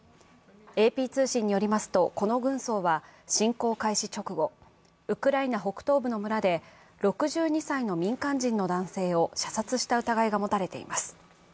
ＡＰ通信によりますと、この軍曹は、侵攻開始直後、ウクライナ北東部の村で６２歳の民間人の男性を射殺した疑いが持たれています。